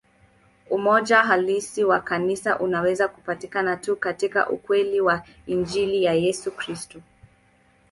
Umoja halisi wa Kanisa unaweza kupatikana tu katika ukweli wa Injili ya Yesu Kristo.